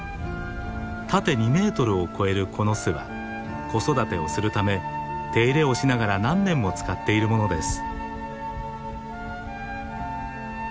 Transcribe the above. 縦２メートルを超えるこの巣は子育てをするため手入れをしながら何年も使っているものです。